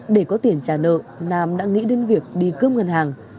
để có tiền trả nợ nam đã nghĩ đến việc đi cướp ngân hàng